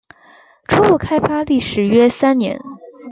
初步开发历时约三年。